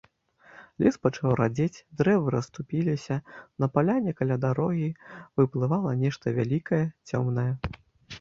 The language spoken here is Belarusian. Лес пачаў радзець, дрэвы расступіліся, на паляне каля дарогі выплывала нешта вялікае, цёмнае.